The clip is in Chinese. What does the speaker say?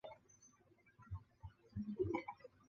这次任务包括一个月球轨道探测器和硬着陆探测器。